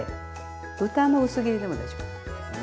豚の薄切りでも大丈夫。